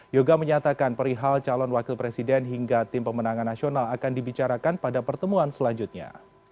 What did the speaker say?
yoga menyatakan perihal calon wakil presiden hingga tim pemenangan nasional akan dibicarakan pada pertemuan selanjutnya